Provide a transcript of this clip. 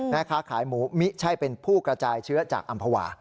แม่ค้าขายหมูมิใช่เป็นผู้กระจายเชื้อจากอำภาวา